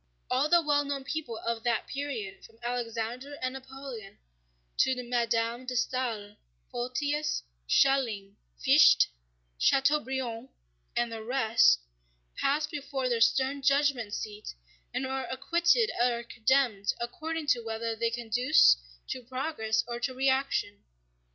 All the well known people of that period, from Alexander and Napoleon to Madame de Staël, Photius, Schelling, Fichte, Chateaubriand, and the rest, pass before their stern judgment seat and are acquitted or condemned according to whether they conduced to progress or to reaction.